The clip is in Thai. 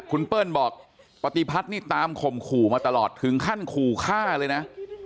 คุณเปิ้ลบอกปฏิพัฒน์นี่ตามข่มขู่มาตลอดถึงขั้นขู่ฆ่าเลยนะ